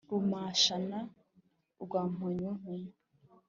Rumashana rwa Mbonyuwontuma